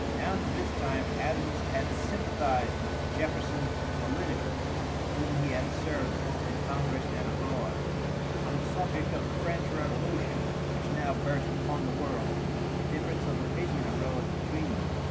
Down to this time Adams had sympathized with Jefferson politically, with whom he had served both in congress and abroad. On the subject of the French revolution, which now burst upon the world, a difference of opinion arose between them.